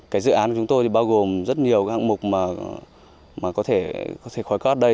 cái dự án của chúng tôi thì bao gồm rất nhiều các hạng mục mà có thể khói có ở đây